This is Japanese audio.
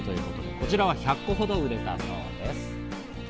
こちらは１００個ほど売れたそうです。